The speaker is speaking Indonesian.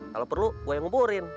kalau perlu gue yang nguburin